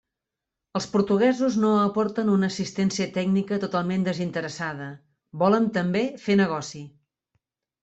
Els portuguesos no aporten una assistència tècnica totalment desinteressada, volen també fer negoci.